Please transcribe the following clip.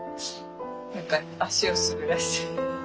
何か足を滑らせて。